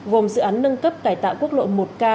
gồm dự án nâng cấp cải tạo quốc lộ một k